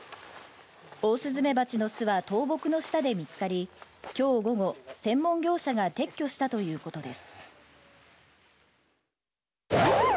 オオスズメバチの巣は倒木の下で見つかり、きょう午後、専門業者が撤去したということです。